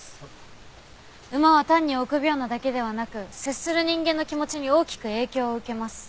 馬は単に臆病なだけではなく接する人間の気持ちに大きく影響を受けます。